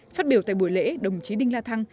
phát biểu tại buổi lễ đồng chí đinh la thăng